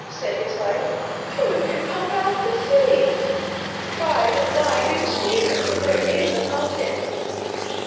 said his wife. 'Who can pump out the sea?' 'Try with thy new steamer, there is a pump in it.